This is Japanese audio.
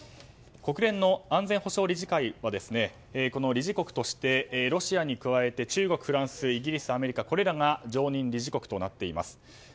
国連の安全保障理事会は理事国としてロシアに加えて中国、フランス、イギリスアメリカ、これらが常任理事国となっています。